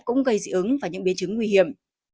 cũng gây dị ứng và những biến chứng nguy hiểm